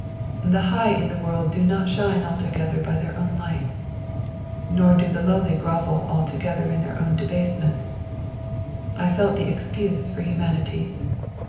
The high in the world do not shine altogether by their own light, not do the lowly grovel altogether in their own debasement, I felt the excuse for humanity.